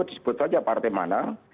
disebut saja partai mana